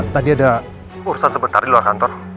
tadi ada urusan sebentar di luar kantor